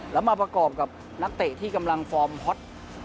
แล้วมาประกอบกับนักเตะที่กำลังฟอร์มฮอต